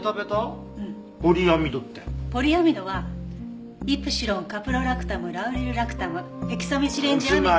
ポリアミドはイプシロンカプロラクタムラウリルラクタムヘキサメチレンジアミンの。